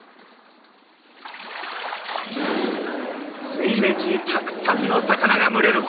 水面にたくさんの魚が群れる